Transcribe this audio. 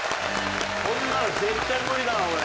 こんなの絶対無理だわ俺。